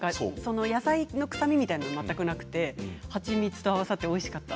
野菜の臭みみたいなのも全くなくて蜂蜜と合わさっておいしかった。